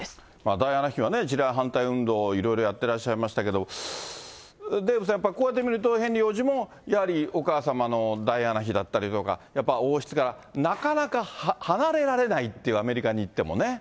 ダイアナ妃は地雷反対運動、いろいろやってましたけども、デーブさん、こうやって見ると、ヘンリー王子も、やはりお母様のダイアナ妃だったりとか、やっぱり王室からなかなか離れられないっていう、アメリカに行ってもね。